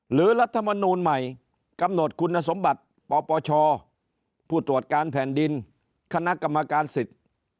รัฐมนูลใหม่กำหนดคุณสมบัติปปชผู้ตรวจการแผ่นดินคณะกรรมการสิทธิ์